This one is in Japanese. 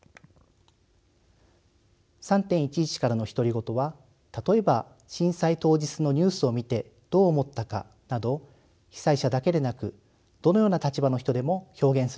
「３．１１からの独り言」は例えば震災当日のニュースを見てどう思ったかなど被災者だけでなくどのような立場の人でも表現することができます。